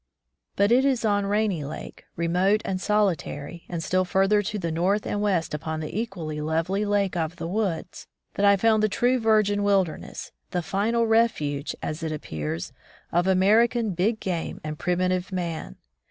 But it is on Rainy Lake, remote and soli tary, and still further to the north and west upon the equally lovely Lake of the Woods, that I foimd the true virgin wilderness, the final refuge, as it appears, of American big game and primitive man.